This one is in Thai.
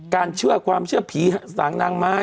เชื่อความเชื่อผีสางนางไม้